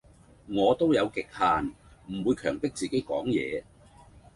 我都有極限，唔會強迫自己講嘢